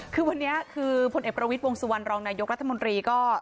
คือวันนี้คือผลเอกประวิทย์วงสุวรรณรองนายกรัฐมนตรีก็